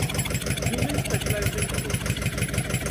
Yumin specialised in doubles.